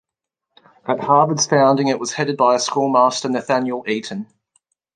At Harvard's founding it was headed by a "schoolmaster", Nathaniel Eaton.